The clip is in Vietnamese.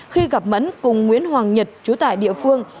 khi gặp mẫn cùng nguyễn hoàng nhật trú tại địa phương